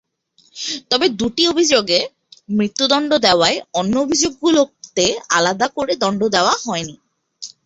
তবে দুটি অভিযোগে মৃত্যুদণ্ড দেওয়ায় অন্য অভিযোগগুলোতে আলাদা করে দণ্ড দেওয়া হয়নি।